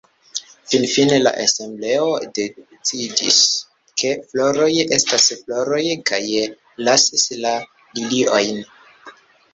Finfine la asembleo decidis, ke floroj estas floroj kaj lasis la liliojn.